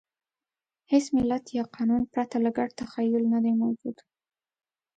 هېڅ ملت یا قانون پرته له ګډ تخیل نهدی موجود.